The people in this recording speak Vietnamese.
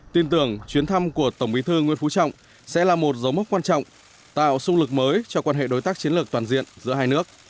tin tưởng chuyến thăm của tổng bí thư nguyễn phú trọng sẽ là một dấu mốc quan trọng tạo sung lực mới cho quan hệ đối tác chiến lược toàn diện giữa hai nước